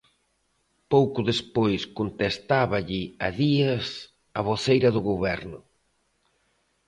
Pouco despois contestáballe a Díaz a voceira do Goberno.